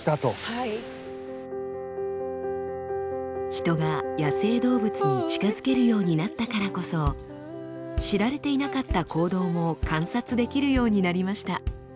人が野生動物に近づけるようになったからこそ知られていなかった行動も観察できるようになりました。